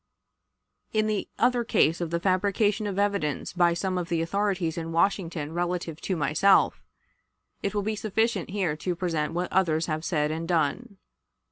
In the other case of the fabrication of evidence by some of the authorities in Washington relative to myself, it will be sufficient here to present what others have said and done.